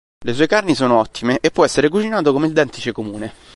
Le sue carni sono ottime e può essere cucinato come il dentice comune.